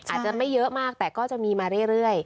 อาจจะไม่เยอะมากแต่ก็จะมีมาเรื่อย